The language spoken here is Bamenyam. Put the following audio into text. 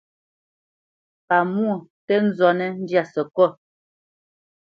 Pamwô tǝ́ nzɔnǝ́ ndyâ sǝkôt.